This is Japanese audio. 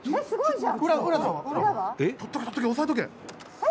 「すごい」